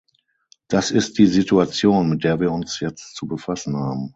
Das ist die Situation, mit der wir uns jetzt zu befassen haben.